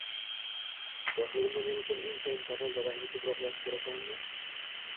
Yoshligimda men uchun eng qiyin savol dadangni ko‘proq yaxshi ko‘rasanmi